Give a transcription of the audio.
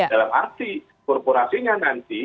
dalam arti korporasinya nanti